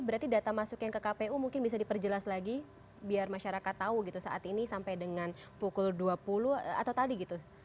berarti data masuknya ke kpu mungkin bisa diperjelas lagi biar masyarakat tahu gitu saat ini sampai dengan pukul dua puluh atau tadi gitu